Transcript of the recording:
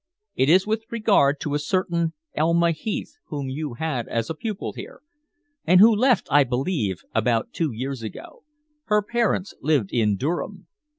It is with regard to a certain Elma Heath whom you had as pupil here, and who left, I believe, about two years ago. Her parents lived in Durham."